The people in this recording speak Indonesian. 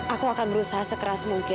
aku akan berusaha sekeras mungkin